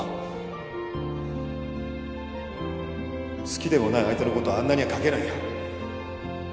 好きでもない相手のことをあんなには書けないよ